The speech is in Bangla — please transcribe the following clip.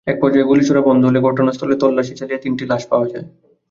একপর্যায়ে গুলি ছোড়া বন্ধ হলে ঘটনাস্থলে তল্লাশি চালিয়ে তিনটি লাশ পাওয়া যায়।